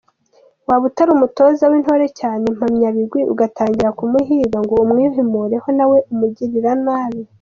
Waba utari “umutoza w’Intore”, cyane “impamyabigwi”, ugatangira kumuhiga ngo umwihimureho nawe umugirira nabi.